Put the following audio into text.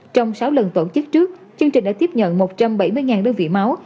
trong sáu lần tổ chức trước chương trình đã tiếp nhận một trăm bảy mươi đơn vị máu